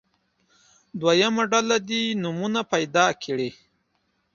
دویمه ډله دې نومونه پیدا کړي.